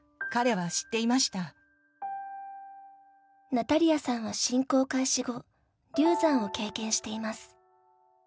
ナタリヤさんは侵攻開始後流産を経験しています。